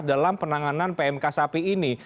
dalam penanganan pmk sapi ini